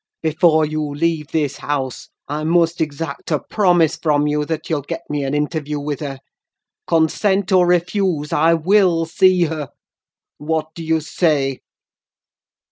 Before you leave this house, I must exact a promise from you that you'll get me an interview with her: consent, or refuse, I will see her! What do you say?"